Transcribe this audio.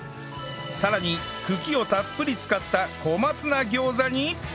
さらに茎をたっぷり使った小松菜餃子に